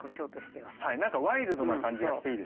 はい何かワイルドな感じがしていいですよね。